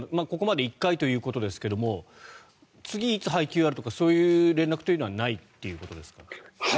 ここまで１回ということですが次はいつ配給があるとかそういう連絡というのはないということですか？